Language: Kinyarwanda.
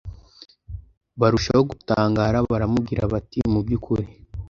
Barushaho gutangara baramubwira bati mu by ukuri